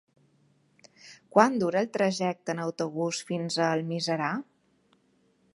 Quant dura el trajecte en autobús fins a Almiserà?